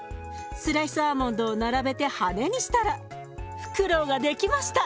スライスアーモンドを並べて羽にしたらふくろうが出来ました。